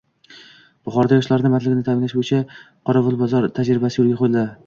Buxoroda yoshlar bandligini ta’minlash bo‘yicha Qorovulbozor tajribasi yo‘lga qo‘yiladi